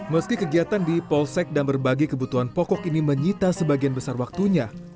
meski kegiatan di polsek dan berbagai kebutuhan pokok ini menyita sebagian besar waktunya